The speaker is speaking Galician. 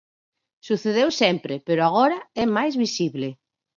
Sucedeu sempre, pero agora é máis visible.